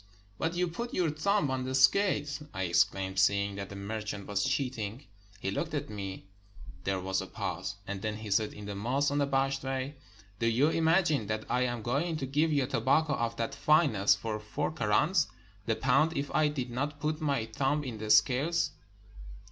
"But you put your thumb on the scales!" I ex claimed, seeing that the merchant was cheating. He looked at me — there was a pause — and then he said, in the most unabashed way, "Do you imagine that I am going to give you tobacco of that fineness for four krans the pound if I did not put my thumb in the scale?"